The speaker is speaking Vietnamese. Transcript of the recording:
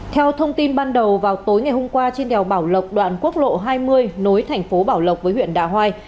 theo thông tin ban đầu vào tối ngày hôm qua trên đèo bảo lộc đoạn quốc lộ hai mươi nối thành phố bảo lộc với huyện đạ hoai